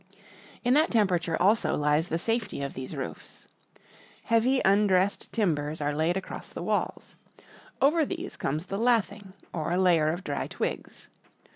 In that tem perature, also, lies the safety of these roofs. Heavy un dressed timbers are laid across the walls. Over these comes the lathing, or a layer of dry twigs.